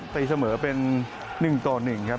ตีเสมอเป็น๑ต่อ๑ครับ